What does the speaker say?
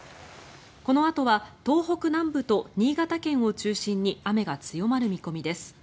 このあとは東北南部と新潟県を中心に雨が強まる見込みです。